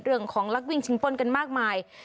เรื่องของลักวิ่งชิงปล้นกันมากมาย